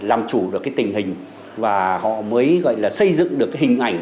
vậy là làm chủ được cái tình hình và họ mới gọi là xây dựng được cái hình ảnh